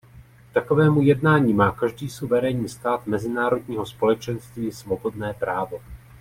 K takovému jednání má každý suverénní stát mezinárodního společenství svobodné právo.